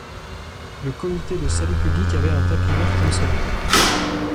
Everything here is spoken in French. Le comité de salut public avait un tapis vert comme cela.